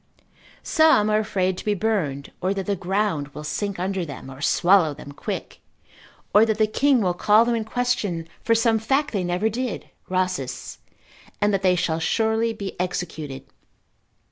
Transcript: Some are afraid to be burned, or that the ground will sink under them, or swallow them quick, or that the king will call them in question for some fact they never did (Rhasis cont.) and that they shall surely be executed.